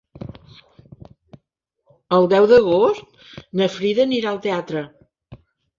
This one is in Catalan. El deu d'agost na Frida anirà al teatre.